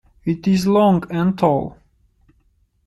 It is long, and tall.